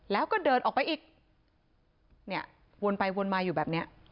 แล้วก็เดินออกไปอีกเนี่ยวนไปวนมาอยู่แบบเนี้ย